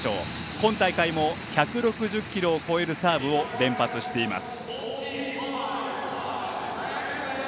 今大会も１６０キロを超えるサーブを連発しています。